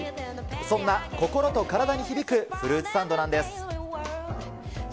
そんな心と体に響くフルーツサンドなんです。